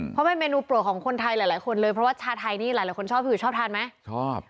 เพราะเป็นเมนูโปรดของคนไทยหลายคนเลยเพราะว่าชาไทยนี่หลายคนชอบคือชอบทานไหมชอบ